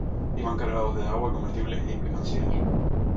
Iban cargados de agua, comestibles y mercaderías.